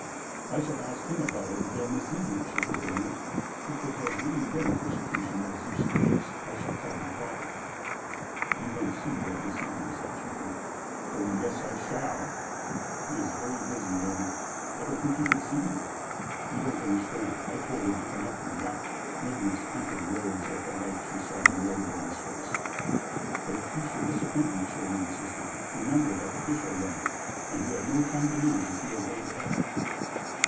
"I shall ask him about it again this evening," she continued. "If there has really been persecution, as you suggest, I shall tell my father." "You won't see Boyd this evening," said Cherry. "Oh yes, I shall." "He is very busy and I don't think he can see you." "You don't understand. I told him to come out to the yacht!" Mildred's temper rose at the light she saw in the other woman's face. "But if he should disappoint you," Cherry insisted, "remember that the fish are running, and you have no time to lose if you are going to help."